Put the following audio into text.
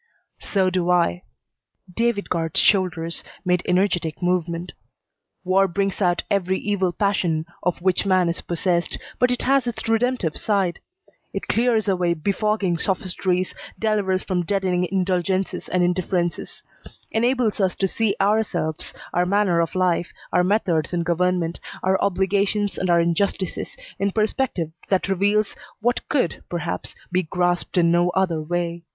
"So do I." David Guard's shoulders made energetic movement. "War brings out every evil passion of which man is possessed, but it has its redemptive side. It clears away befogging sophistries, delivers from deadening indulgences and indifferences; enables us to see ourselves, our manner of life, our methods of government, our obligations and our injustices, in perspective that reveals what could, perhaps, be grasped in no other way.